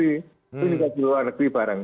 itu juga di luar negeri barang